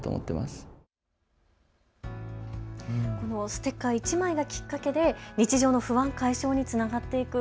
ステッカー１枚がきっかけで日常の不安解消につながっていく。